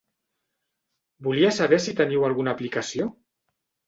Volia saber si teniu alguna aplicació?